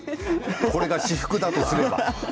これが私服だとすれば。